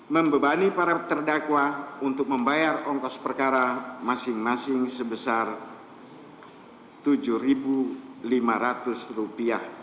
membebani para terdakwa untuk membayar ongkos perkara masing masing sebesar rp tujuh lima ratus